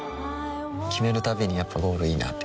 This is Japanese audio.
決めるたびにやっぱゴールいいなってふん